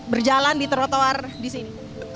berjalan di trotoar di sini